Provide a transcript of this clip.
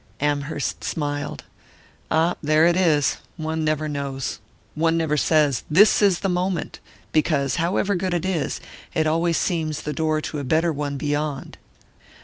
Amherst smiled. "Ah, there it is one never knows one never says, This is the moment! because, however good it is, it always seems the door to a better one beyond.